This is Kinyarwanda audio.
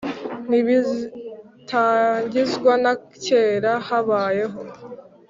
Ntibitangizwa na kera habayeho